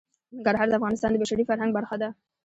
ننګرهار د افغانستان د بشري فرهنګ برخه ده.